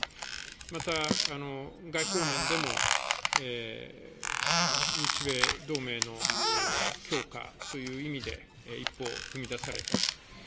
また外交面でも、日米同盟の強化という意味で、一歩を踏み出された。